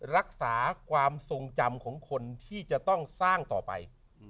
รักษาความทรงจำของคนที่จะต้องสร้างต่อไป